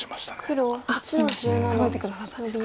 あっ今数えて下さったんですか。